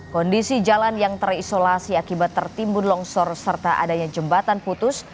kondisi jalan yang terisolasi akibat tertimbun longsor serta adanya jembatan putus